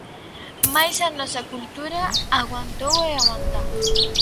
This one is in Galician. Mais a nosa cultura aguantou e aguanta.